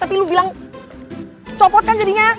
tapi lu bilang copot kan jadinya